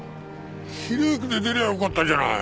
比例区で出りゃよかったじゃない。